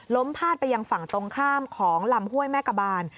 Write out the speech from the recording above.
พาดไปยังฝั่งตรงข้ามของลำห้วยแม่กะบาน